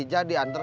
saya masih galau